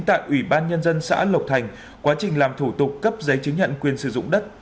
tại ủy ban nhân dân xã lộc thành quá trình làm thủ tục cấp giấy chứng nhận quyền sử dụng đất